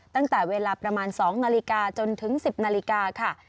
ตั้งแต่เวลาประมาณ๒นาฬิกาจนถึง๑๐นาฬิกาค่ะ